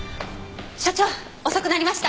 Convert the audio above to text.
所長遅くなりました。